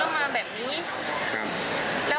เขาก็อยู่แบบนี้ตลอดเวลา